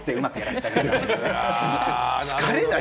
疲れない？